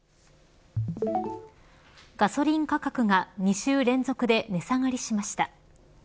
ガソリン価格が２週連続で値下がりしました。